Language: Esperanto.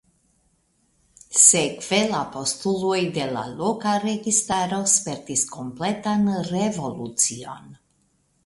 Sekve la postuloj de la loka registaro spertis kompletan revolucion.